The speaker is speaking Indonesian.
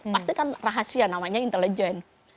pasti kan rahasia namanya intelijen